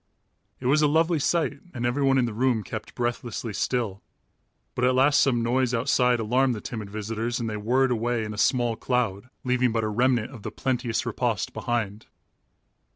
It was a lovely sight and everyone in the room kept breathlessly still, but at last some noise outside alarmed the timid visitors and they whirred away in a small cloud, leaving but a remnant of the plenteous repast behind.